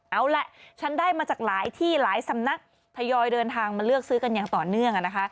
เอาล่ะฉันได้มาจากหลายที่หลายสำนักทยอยเดินทางมาเลือกซื้อกันอย่างต่อเนื่อง